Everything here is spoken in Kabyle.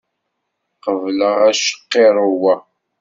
Qebleɣ acqirrew-a!